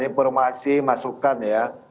informasi masukan ya